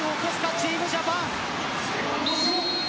チームジャパン。